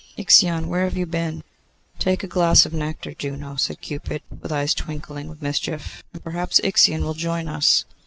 Ixion, where have you been?' 'Take a glass of nectar, Juno,' said Cupid, with eyes twinkling with mischief; 'and perhaps Ixion will join us.